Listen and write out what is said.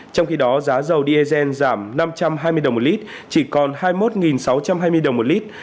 trong khi đó giá dầu diesel giảm năm trăm hai mươi đồng một lít chỉ còn hai mươi một sáu trăm hai mươi đồng một lít